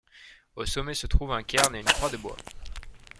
Au sommet, se trouvent un cairn et une croix de bois.